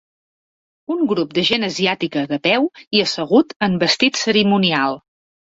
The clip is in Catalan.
Un grup de gent asiàtica de peu i assegut en vestit cerimonial